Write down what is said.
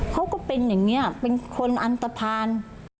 ก็เป็นอย่างนี้เป็นคนอันตภัณฑ์